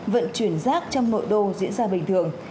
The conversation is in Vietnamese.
vận chuyển rác trong nội đô diễn ra bình thường